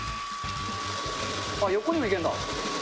あっ、横にもいけるんだ。